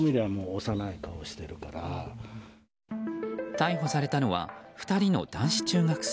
逮捕されたのは２人の男子中学生。